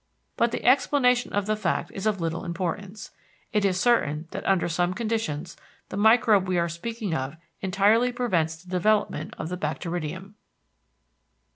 But the explanation of the fact is of little importance: it is certain that under some conditions the microbe we are speaking of entirely prevents the development of the bacteridium.